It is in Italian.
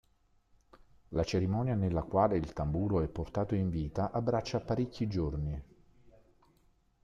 La cerimonia nella quale il tamburo è portato in vita abbraccia parecchi giorni.